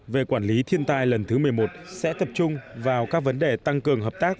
về quản lý thiên tai lần thứ một mươi một sẽ tập trung vào các vấn đề tăng cường hợp tác